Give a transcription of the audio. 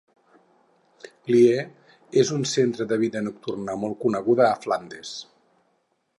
Lier és un centre de vida nocturna molt conegut a Flandes.